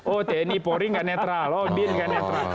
oh tni poring gak netral oh bin gak netral